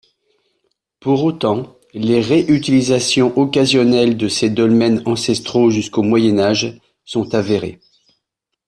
Pour autant, les réutilisations occasionnelles de ces dolmens ancestraux jusqu'au Moyen Âge sont avérées.